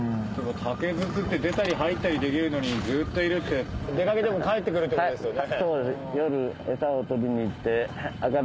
竹筒って出たり入ったりできるのにずっといるって出かけても帰ってくるってことですよね。